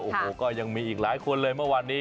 โอ้โหก็ยังมีอีกหลายคนเลยเมื่อวานนี้